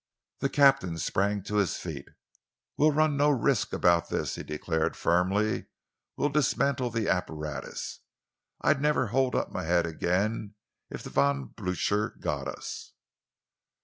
The captain sprang to his feet. "We'll run no risks about this," he declared firmly. "We'll dismantle the apparatus. I'd never hold up my head again if the Von Blucher got us!"